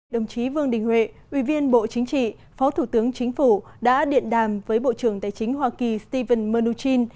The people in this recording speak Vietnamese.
đồng chí vương đình huệ ủy viên bộ chính trị phó thủ tướng chính phủ đã điện đàm với bộ trưởng tài chính hoa kỳ stephen mnuchin